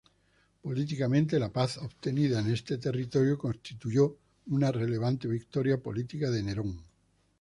Políticamente, la paz obtenida en ese territorio constituyó una relevante victoria política de Nerón.